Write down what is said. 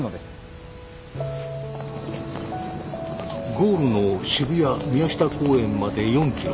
ゴールの渋谷・宮下公園まで４キロ。